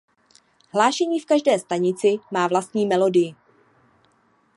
Hlášení v každé stanici má vlastní melodii.